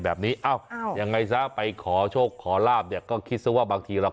แบบนี้อ้าวยังไงซะไปขอโชคขอลาบเนี่ยก็คิดซะว่าบางทีเรา